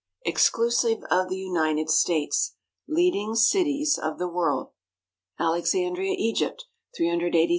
(Exclusive of the United States) Leading Cities of the World Alexandria, Egypt 383,934 Amsterdam, Neth.